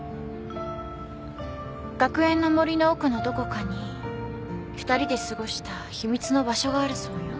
学園の森の奥のどこかに２人で過ごした秘密の場所があるそうよ。